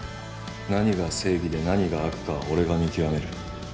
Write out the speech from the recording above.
何が正義で何が悪かは俺が見極める